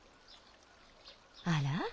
あら？